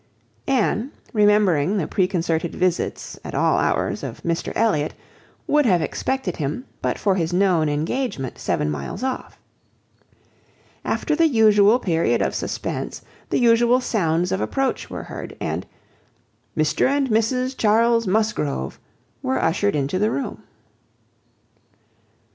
Anne, remembering the preconcerted visits, at all hours, of Mr Elliot, would have expected him, but for his known engagement seven miles off. After the usual period of suspense, the usual sounds of approach were heard, and "Mr and Mrs Charles Musgrove" were ushered into the room.